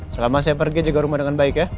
selama saya pergi juga rumah dengan baik ya